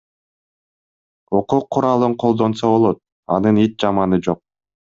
Окуу куралын колдонсо болот, анын эч жаманы жок.